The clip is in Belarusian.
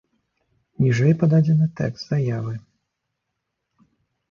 Ніжэй пададзены тэкст заявы.